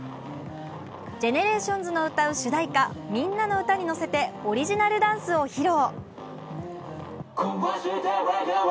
ＧＥＮＥＲＡＴＩＯＮＳの歌う主題歌、「ミンナノウタ」に乗せてオリジナルダンスを披露。